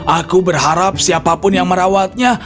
aku berharap siapapun yang merawatnya